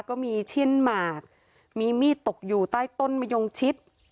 ก็มีเช่นหมากมีมีดตกอยู่ใต้ต้นมะยงชิด